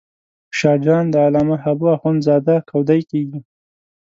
شاه جان د علامه حبو اخند زاده کودی کېږي.